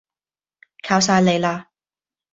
靠晒你啦